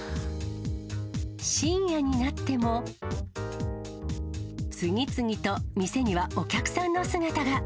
深夜になっても、次々と店にはお客さんの姿が。